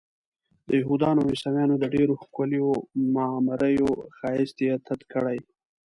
د یهودانو او عیسویانو د ډېرو ښکلیو معماریو ښایست یې تت کړی.